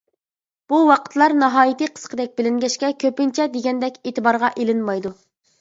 بۇ ۋاقىتلار ناھايىتى قىسقىدەك بىلىنگەچكە، كۆپىنچە دېگەندەك ئېتىبارغا ئېلىنمايدۇ.